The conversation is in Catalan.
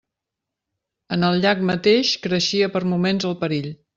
En el llac mateix creixia per moments el perill.